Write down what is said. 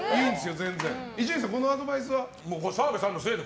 伊集院さん、このアドバイスは？